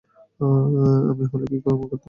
আমি হলে কি এমন করতে পারতুম।